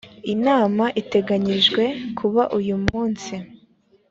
inama iteganyijwe kuba uyumunsi.